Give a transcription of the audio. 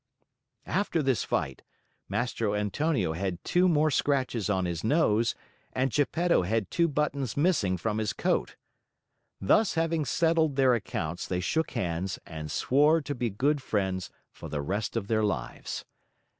After this fight, Mastro Antonio had two more scratches on his nose, and Geppetto had two buttons missing from his coat. Thus having settled their accounts, they shook hands and swore to be good friends for the rest of their lives.